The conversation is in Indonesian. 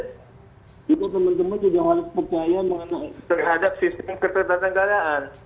kita teman teman juga harus percaya terhadap sistem keterbatasan keadaan